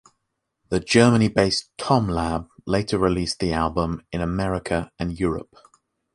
The Germany-based Tomlab later released the album in America and Europe.